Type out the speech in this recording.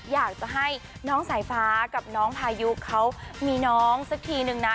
อยากจะให้น้องสายฟ้ากับน้องพายุเขามีน้องสักทีนึงนะ